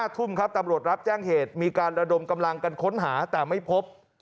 ทุ่มครับตำรวจรับแจ้งเหตุมีการระดมกำลังกันค้นหาแต่ไม่พบ